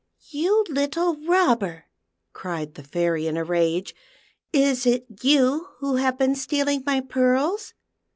7 " You little robber," cried the Fairy in a raje ;" i? it you who have been stealing my pearls